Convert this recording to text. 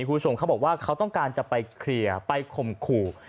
คุณผู้ชมเขาบอกว่าเขาต้องการจะไปเคลียร์ไปข่มขู่